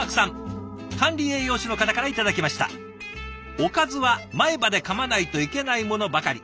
「おかずは前歯でかまないといけないものばかり。